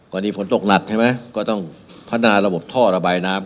ตอนนี้ฝนตกหนักใช่ไหมก็ต้องพัฒนาระบบท่อระบายน้ำ